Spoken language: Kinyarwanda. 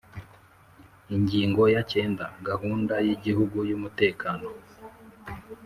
Ingingo ya cyenda Gahunda y Igihugu y Umutekano